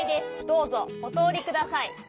どうぞおとおりください」。